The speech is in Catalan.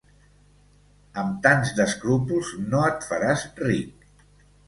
Amb tants d'escrúpols no et faràs ric.